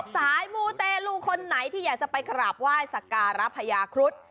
สายหมู่เตี๋ยวลูกคนนี้ที่อยากจะไปกราบไหว้สการพญาครุฑ